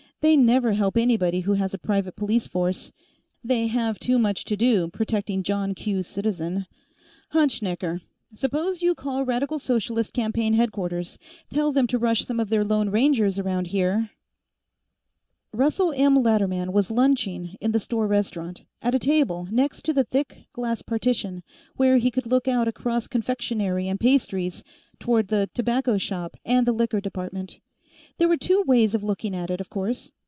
"They never help anybody who has a private police force; they have too much to do protecting John Q. Citizen. Hutschnecker; suppose you call Radical Socialist campaign headquarters; tell them to rush some of their Lone Rangers around here " Russell M. Latterman was lunching in the store restaurant, at a table next the thick glass partition, where he could look out across Confectionery and Pastries toward the Tobacco Shoppe and the Liquor Department. There were two ways of looking at it, of course.